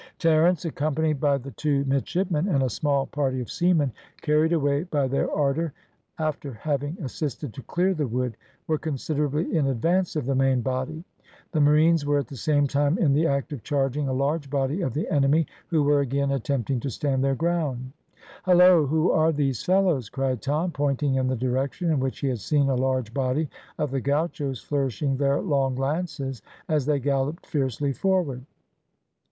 Terence, accompanied by the two midshipmen and a small party of seamen, carried away by their ardour, after having assisted to clear the wood, were considerably in advance of the main body. The marines were at the same time in the act of charging a large body of the enemy, who were again attempting to stand their ground. "Halloa! who are these fellows?" cried Tom, pointing in the direction in which he had seen a large body of the gauchos flourishing their long lances, as they galloped fiercely forward.